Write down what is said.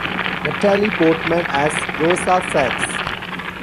Natalie Portman as Rosa Saks.